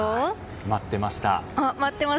待ってました。